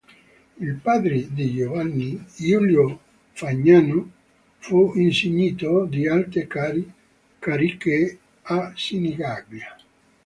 Il padre di Giovanni, Giulio Fagnano fu insignito di alte cariche a Sinigaglia.